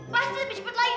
pasti lebih cepet lagi